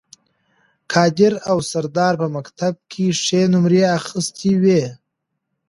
قادر او سردار په مکتب کې ښې نمرې اخیستې وې